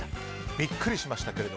ビックリしましたけど。